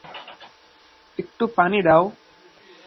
একটু পানি দাও।